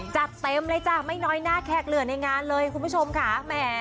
จัดเต็มเลยจ้ะไม่น้อยหน้าแขกเหลือในงานเลยคุณผู้ชมค่ะแหม